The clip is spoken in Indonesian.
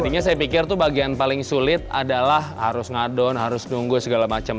artinya saya pikir tuh bagian paling sulit adalah harus ngadon harus nunggu segala macam